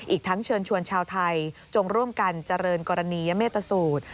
อีกทั้งเชิญชวนชาวไทยจงร่วมกันเจริญกรณียเมตสูตร